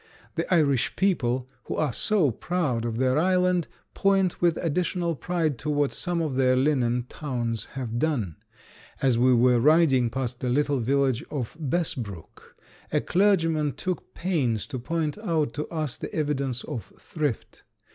The Irish people, who are so proud of their island, point with additional pride to what some of their linen towns have done. As we were riding past the little village of Bessbrook a clergyman took pains to point out to us the evidences of thrift.